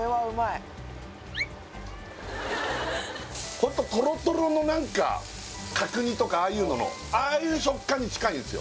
ほんととろっとろのなんか角煮とかああいうののああいう食感に近いんですよ